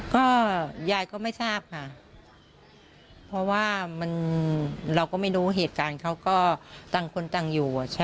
ตอนนั้นแม่จะหันปืนมาหาเราด้วยไหมครับ